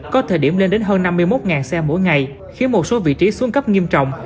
có thời điểm lên đến hơn năm mươi một xe mỗi ngày khiến một số vị trí xuống cấp nghiêm trọng